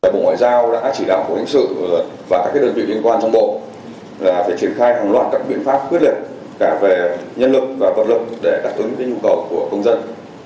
bộ ngoại giao đã chỉ đạo cục lãnh sự và các đơn vị liên quan trong bộ là phải triển khai hàng loạt các biện pháp quyết liệt cả về nhân lực và toàn lực để đáp ứng nhu cầu của công dân